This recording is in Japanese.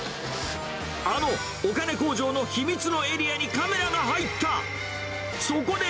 あのお金工場の秘密のエリアにカメラが入った。